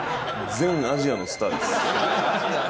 全アジアのスター？